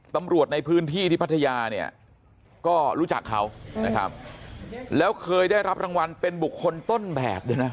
ตำรวจในพื้นที่ที่พัทยาเนี่ยก็รู้จักเขานะครับแล้วเคยได้รับรางวัลเป็นบุคคลต้นแบบด้วยนะ